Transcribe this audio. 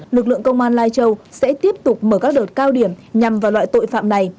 lực lượng công an lai châu sẽ tiếp tục mở các đợt cao điểm nhằm vào loại tội phạm này